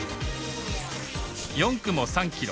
４区も３ｋｍ。